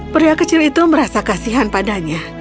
pria kecil itu merasa kasihan padanya